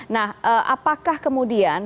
nah apakah kemudian